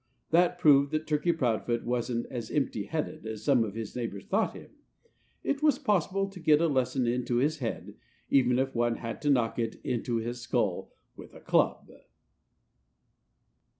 That proved that Turkey Proudfoot wasn't as empty headed as some of his neighbors thought him. It was possible to get a lesson into his head, even if one had to knock it into his skull with a club.